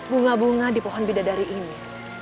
bunga bunga di pohon bidadari ini